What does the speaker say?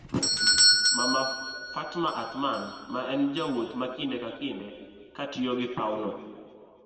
mama Fatma Athman ma en jawuoth ma kinde ka kinde katiyogi pawno